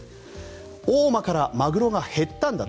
大間からマグロが減ったんだと。